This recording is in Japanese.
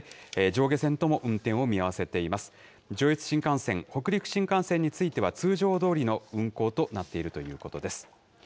上越新幹線、北陸新幹線については、通常どおりの運行となっているということです。